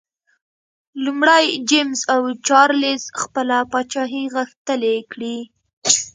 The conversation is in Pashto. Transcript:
لومړی جېمز او چارلېز خپله پاچاهي غښتلي کړي.